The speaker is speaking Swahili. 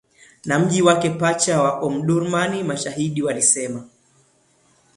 na mji wake pacha wa Omdurman, mashahidi walisema